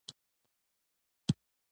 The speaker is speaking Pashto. مغزه غږیز غړي کاروي ترڅو غږ پر څپو بدل کړي